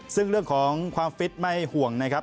ซึ่งเรื่องของความฟิตไม่ห่วงนะครับ